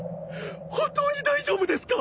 本当に大丈夫ですか？